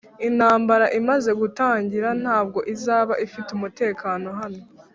intambara imaze gutangira, ntabwo izaba ifite umutekano hano.